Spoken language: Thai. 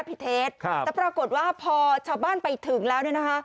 รับพิเทศครับแต่ปรากฏว่าพอชาวบ้านไปถึงแล้วนี่นะฮะ